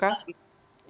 kecil tapi kita luka